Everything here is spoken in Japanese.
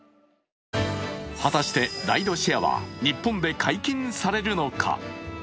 果たしてライドシェアは日本で解禁されるのか？